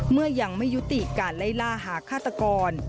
เมื่อยังไม่ยุติการไล่ล่าหาฆาตกร